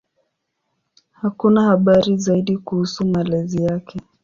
Hakuna habari zaidi kuhusu malezi yake.